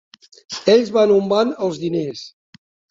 Ells van on van els diners.